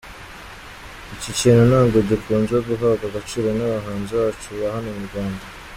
Iki kintu ntabwo gikunzwe guhabwa agaciro n'abahanzi bacu ba hano mu Rwanda.